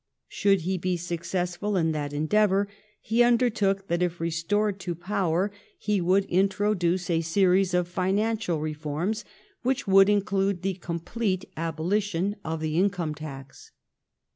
Should he be suc cessful in that endeavor, he undertook that, if re stored to power, he would introduce a series of financial reforms which would include the complete abolition of the income tax.